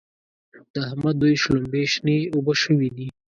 د احمد دوی شلومبې شنې اوبه شوې دي.